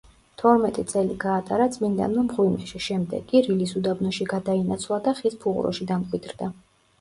თორმეტი წელი გაატარა წმიდანმა მღვიმეში, შემდეგ კი რილის უდაბნოში გადაინაცვლა და ხის ფუღუროში დამკვიდრდა.